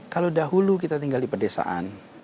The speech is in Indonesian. kalau dahulu kita tinggal di pedesaan